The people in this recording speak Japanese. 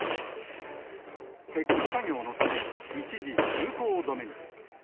撤去作業のため、一時通行止めに。